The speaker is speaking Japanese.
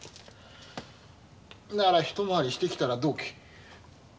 なら一回りしてきたらどうけ？